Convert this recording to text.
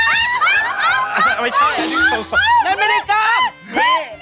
เล่นลูกบริกอบ